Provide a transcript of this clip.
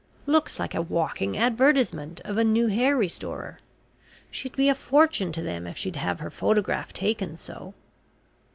Looks like a walking advertisement of a new hair restorer. She'd be a fortune to them if she'd have her photograph taken so!"